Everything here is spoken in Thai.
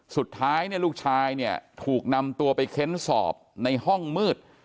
สุดท้ายเนี่ยลูกชายเนี่ยถูกนำตัวไปเค้นสอบในห้องมืด